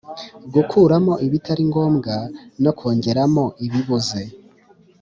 Gukuramo ibitari ngombwa no kongeramo ibibuze.